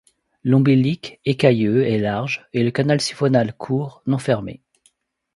L’ombilic, écailleux, est large et le canal siphonal court, non fermé.